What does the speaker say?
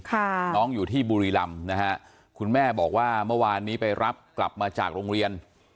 น้องอยู่ที่บุรีรำนะฮะคุณแม่บอกว่าเมื่อวานนี้ไปรับกลับมาจากโรงเรียน